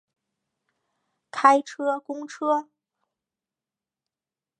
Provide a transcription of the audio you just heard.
开车公车